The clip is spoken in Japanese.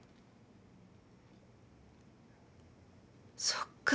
そっか。